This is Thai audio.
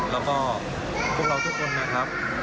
แล้วก็พวกเราทุกคนนะครับ